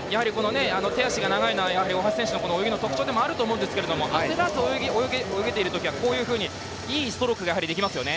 手足が長いのは大橋選手の泳ぎの特徴なんですけど焦らず泳げているときはこういうふうにいいストロークができますよね。